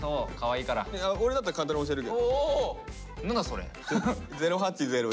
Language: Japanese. それ。